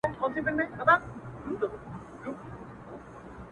بيزو وان هم يو ځاى كښينستى حيران وو-